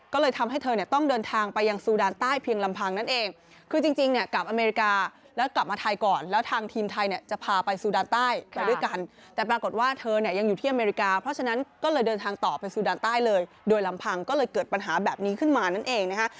ก็เลยเดินทางต่อไปสุดันใต้เลยโดยลำพังก็เลยเกิดปัญหาแบบนี้ขึ้นมานั่นเองนะค่ะ